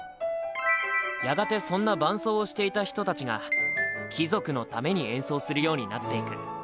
やがてそんな伴奏をしていた人たちが貴族のために演奏するようになっていく。